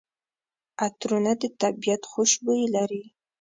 عطرونه د طبیعت خوشبويي لري.